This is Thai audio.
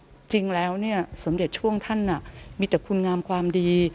จริงแล้วเนี่ยสมเด็จช่วงท่านมีแต่คุณงามความดี